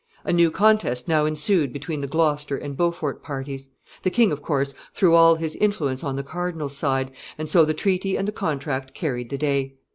A new contest now ensued between the Gloucester and Beaufort parties. The king, of course, threw all his influence on the cardinal's side, and so the treaty and the contract carried the day.